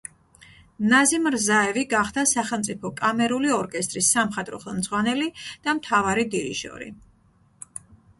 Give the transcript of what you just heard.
ნაზიმ რზაევი გახდა სახელმწიფო კამერული ორკესტრის სამხატვრო ხელმძღვანელი და მთავარი დირიჟორი.